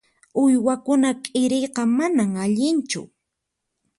Uywakuna k'iriyqa manan allinchu.